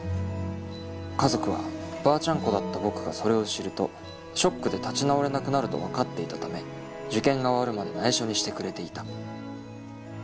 家族はばあちゃんっ子だった僕がそれを知るとショックで立ち直れなくなると分かっていたため受験が終わるまでないしょにしてくれていた。